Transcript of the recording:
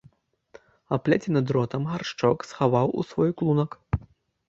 Аплецены дротам гаршчок схаваў у свой клунак.